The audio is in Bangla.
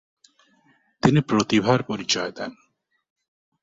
তিনি প্রতিভার পরিচয় দেন।